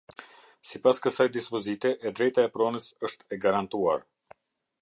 Sipas kësaj dispozite, e drejta e pronës është e garantuar.